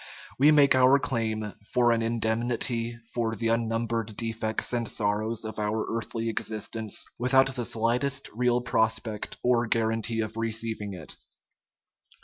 We make our claim for an indemnity for the unnumbered defects and sorrows of our earthly existence, without the slightest real prospect or guarantee of receiving it.